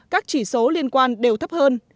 chỉ số liên quan đều thấp hơn